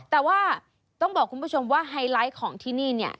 แต่ว่าต้องบอกคุณผู้ชมว่าไฮไลท์ของที่นี่เนี่ย